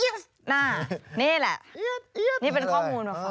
เอี๊ยดนี่แหละนี่เป็นข้อมูลเหรอค่ะ